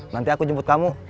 nanti aku jemput kamu